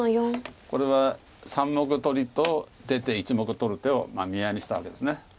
これは３目取りと出て１目取る手を見合いにしたわけです。